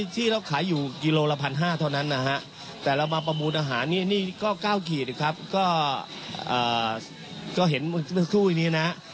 ที่เราขายอยู่กิโลละพันห้าเท่านั้นนะฮะแต่เรามาประมูลอาหารนี่ก็เก้าขีดครับก็เห็นเบอร์ชู่ย์นี้นะ